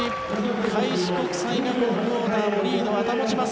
開志国際がこのクオーターもリードは保ちます。